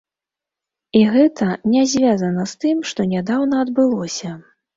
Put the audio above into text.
І гэта не звязана з тым, што нядаўна адбылося.